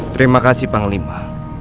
terima kasih panglima